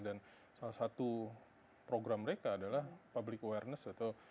dan salah satu program mereka adalah public awareness atau